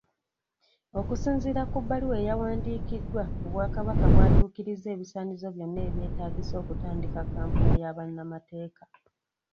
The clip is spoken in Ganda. Okusinziira ku bbaluwa eyawandikiddwa, Obwakabaka bwatuukirizza ebisaanyizo byonna ebyetaagisa okutandika kampuni ya bannamateeka.